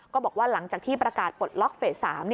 ก็บอกว่าหลังจากที่ประกาศปลดล็อกเฟส๓